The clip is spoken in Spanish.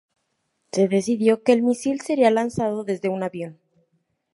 Se decidió que el misil sería lanzado desde un avión.